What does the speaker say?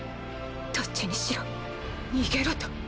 どっちにしろ逃げろと